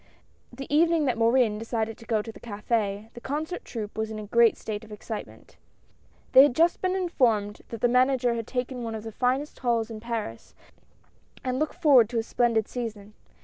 The evening that Morin decided to go to the Cafe, the concert troupe was in a great state of excitement. 154 WARS AND RUMORS OF WARS. They had just been informed that the Manager had taken one of the finest halls in Paris, and looked forward to a splendid season.